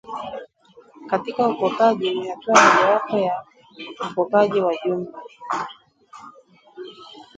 katika ukopaji ni hatua mojawapo ya ukopaji kwa jumla